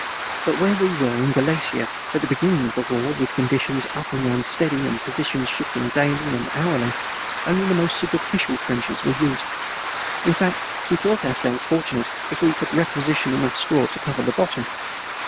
But where we were in Galicia at the beginning of the war, with conditions utterly unsteady and positions shifting daily and hourly, only the most superficial trenches were used. In fact, we thought ourselves fortunate if we could requisition enough straw to cover the bottom.